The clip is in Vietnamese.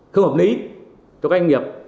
không hợp lý cho các doanh nghiệp